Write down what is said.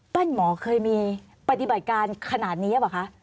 บ้านหมอเคยมีปฏิบัติการขนาดนี้หรือเปล่าคะ